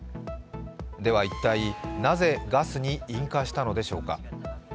では一体なぜガスに引火したのでしょうか。